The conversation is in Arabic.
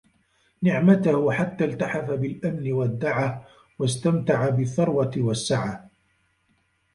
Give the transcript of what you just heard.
نِعْمَتُهُ حَتَّى الْتَحَفَ بِالْأَمْنِ وَالدَّعَةِ ، وَاسْتَمْتَعَ بِالثَّرْوَةِ وَالسَّعَةِ